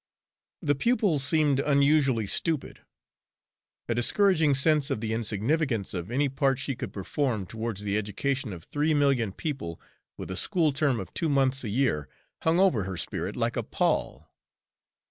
The pupils seemed unusually stupid. A discouraging sense of the insignificance of any part she could perform towards the education of three million people with a school term of two months a year hung over her spirit like a pall.